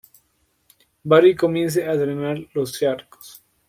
Barry comienza a drenar los charcos.